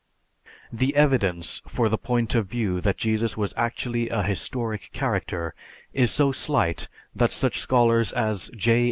"_) The evidence for the point of view that Jesus was actually a historic character is so slight that such scholars as J.